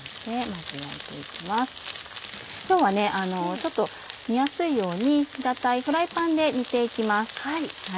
今日はちょっと見やすいように平たいフライパンで煮て行きます。